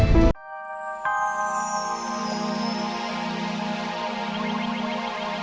bawa ke rumah sakit